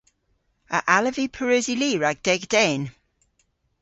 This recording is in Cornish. A allav vy pareusi li rag deg den?